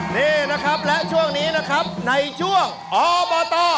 นี่นะครับและช่วงนี้นะครับในช่วงอบต